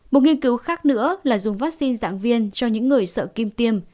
một nghiên cứu khác nữa là dùng vaccine dạng viên cho những người sợ kim tiêm